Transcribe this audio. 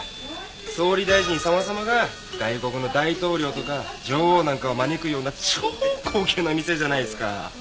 総理大臣様々が外国の大統領とか女王なんかを招くような超高級な店じゃないっすか。